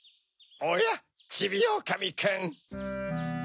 おやちびおおかみくん。